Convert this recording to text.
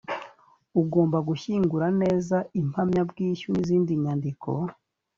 ugomba gushyingura neza impamyabwishyu n izindi nyandiko